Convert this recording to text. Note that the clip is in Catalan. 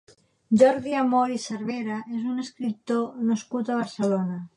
Jordi Amor i Cervera és un escriptor nascut a Barcelona.